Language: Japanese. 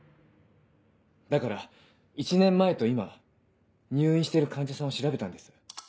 だから１年前と今入院してる患者さんを調べたんです。